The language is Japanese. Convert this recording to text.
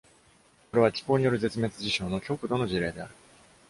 これは、気候による絶滅事象の極度の事例である。